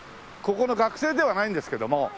ここの学生ではないんですけども。